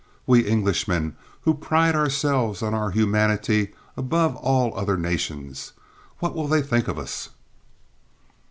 We Englishmen, who pride ourselves on our humanity above all other nations. What will they think of us?"